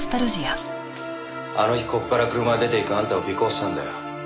あの日ここから車で出ていくあんたを尾行したんだよ。